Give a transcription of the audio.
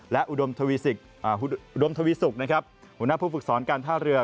และอุดมทวิสุกหัวหน้าผู้ฝึกษรการท่าเรือ